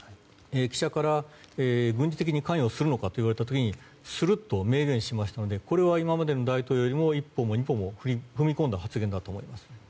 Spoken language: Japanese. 記者から軍事的に関与するのかと言われた時にすると明言されましたのでこれは今までの大統領よりも一歩も二歩も踏み込んだ発言だと思います。